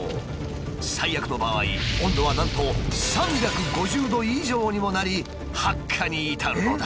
最悪の場合温度はなんと３５０度以上にもなり発火に至るのだ。